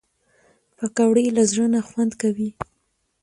پکورې له زړه نه خوند کوي